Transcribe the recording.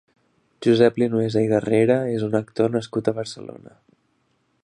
Josep Linuesa i Guerrera és un actor nascut a Barcelona.